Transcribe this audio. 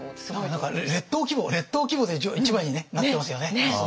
何か列島規模列島規模で一枚にねなってますよね。